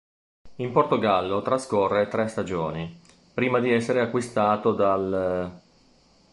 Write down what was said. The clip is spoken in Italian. In Portogallo trascorre tre stagioni, prima di essere acquistato dall'.